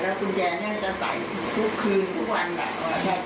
แล้วคุณแจเนี่ยจะใส่ทุกคืนทุกวันนะ